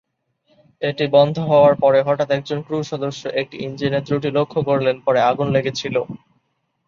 এটি বন্ধ হওয়ার পরে, হঠাৎ একজন ক্রু সদস্য একটি ইঞ্জিনের ত্রুটি লক্ষ্য করলেন; পরে আগুন লেগেছিল।